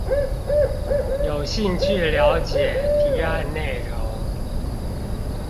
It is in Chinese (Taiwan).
有興趣了解提案內容